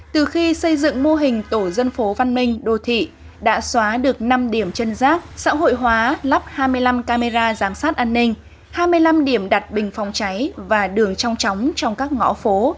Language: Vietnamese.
từ khi xây dựng mô hình tổ dân phố văn minh đô thị đã xóa được năm điểm chân giác xã hội hóa lắp hai mươi năm camera giám sát an ninh hai mươi năm điểm đặt bình phòng cháy và đường trong tróng trong các ngõ phố